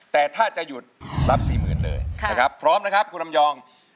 แต่ถ้าจะหยุดรับ๔๐๐๐๐เลยพร้อมนะครับคุณลำยอง